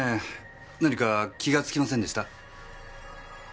何か気が付きませんでした？